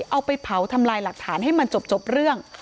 เอาไปเผาทำลายหลักฐานให้มันจบเรื่อง